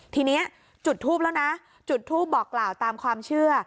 ทีนี้จุดทูปแล้วนะจุดทูปบอกกล่าวตามความเชื่อ